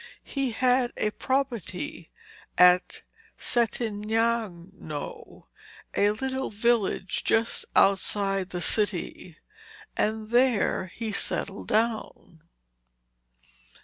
He had a property at Settignano, a little village just outside the city, and there he settled down.